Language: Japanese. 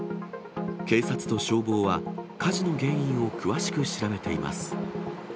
警察と消防は、火事の原因を詳しく調べています。